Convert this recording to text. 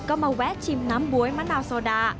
ก็มาแวะชิมน้ำบ๊วยมะนาวโซดา